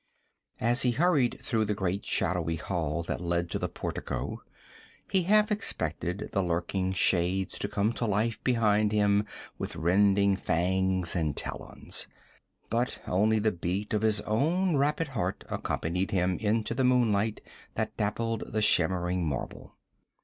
As he hurried through the great shadowy hall that led to the portico, he half expected the lurking shades to come to life behind him with rending fangs and talons. But only the beat of his own rapid heart accompanied him into the moonlight that dappled the shimmering marble.